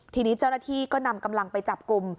ทีนี้เจ้าหน้าที่ก็นำกำลังไปจับกลุ่ม